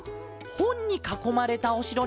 ほんにかこまれたおしろ？